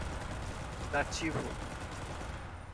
dativo